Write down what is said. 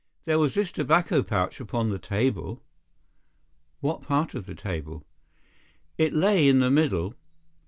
"There was this tobacco pouch upon the table." "What part of the table?" "It lay in the middle.